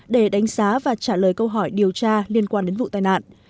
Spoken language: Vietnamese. để đánh giá và trả lời câu hỏi điều tra liên quan đến vụ tai nạn